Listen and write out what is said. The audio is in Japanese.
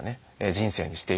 人生にしていく。